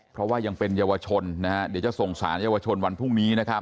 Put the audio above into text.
เพราะว่ายังเป็นเยาวชนเดี๋ยวจะส่งสารเยาวชนวันพรุ่งนี้